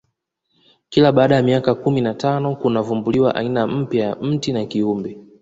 kila baada ya miaka kumi na tano kunavumbuliwa aina mpya ya mti na kiumbe